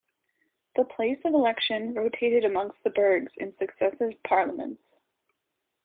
The place of election rotated amongst the burghs in successive Parliaments.